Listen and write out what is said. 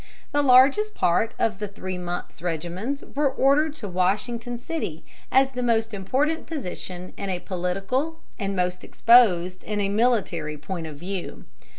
The largest part of the three months' regiments were ordered to Washington city as the most important position in a political, and most exposed in a military point of view.